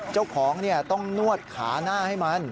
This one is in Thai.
เจ้าของต้องนวดขาหน้าให้มัน